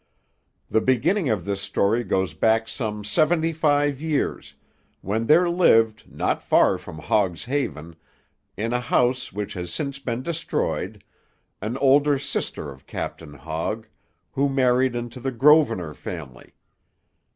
"The beginning of this story goes back some seventy five years, when there lived, not far from Hogg's Haven, in a house which has since been destroyed, an older sister of Captain Hogg, who married into the Grosvenor family.